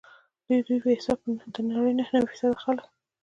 ددوی په حساب د نړۍ نهه نوي فیصده خلک.